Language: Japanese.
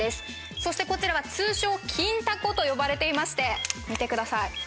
そしてこちらは通称キンタコと呼ばれていまして見てください